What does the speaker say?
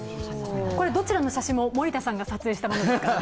どちらの写真も森田さんが撮影したものですからね。